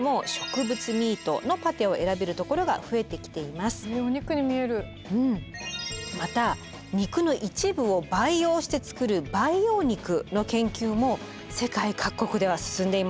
また肉の一部を培養して作る培養肉の研究も世界各国では進んでいます。